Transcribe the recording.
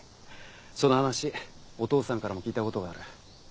その話お父さんからも聞いたことがある。